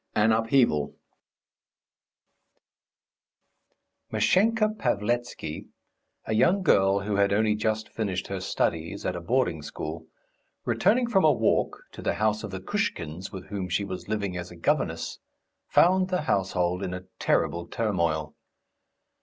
AN UPHEAVAL MASHENKA PAVLETSKY, a young girl who had only just finished her studies at a boarding school, returning from a walk to the house of the Kushkins, with whom she was living as a governess, found the household in a terrible turmoil.